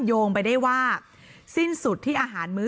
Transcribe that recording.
หนูจะให้เขาเซอร์ไพรส์ว่าหนูเก่ง